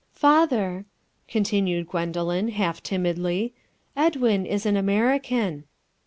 "Father," continued Gwendoline, half timidly, "Edwin is an American."